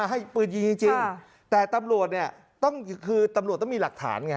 ให้ปืนยิงจริงแต่ตำรวจเนี่ยต้องคือตำรวจต้องมีหลักฐานไง